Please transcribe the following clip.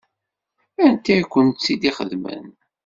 Anta i kent-tt-ixedmen?